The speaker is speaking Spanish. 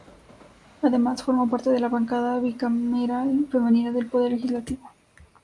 Además, forma parte de la Bancada Bicameral Femenina del Poder Legislativo.